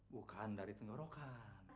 bukan dari pengerokan